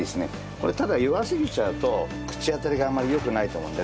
これただ弱すぎちゃうと口当たりがあんまり良くないと思うんで。